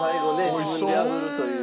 自分であぶるという。